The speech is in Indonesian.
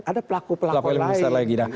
ada pelaku pelaku lain